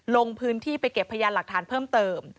ลงพื้นที่ไปเก็บพยานหลักฐานเพิ่มเติม